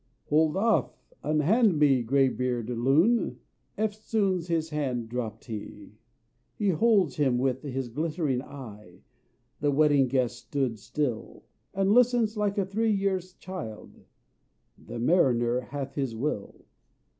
"Hold off! unhand me, grey beard, loon!" Eftsoons his hand dropt he. He holds him with his glittering eye The Wedding Guest stood still, And listens like a three years' child: The Mariner hath his will.